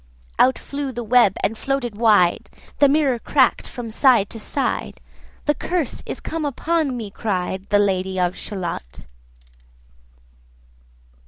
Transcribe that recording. Out flew the web and floated wide; The mirror crack'd from side to side; 115 'The curse is come upon me!' cried The Lady of Shalott.